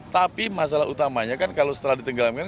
tapi masalah utamanya kan kalau setelah ditenggelamkan